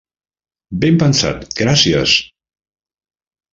Ben pensat, gràcies!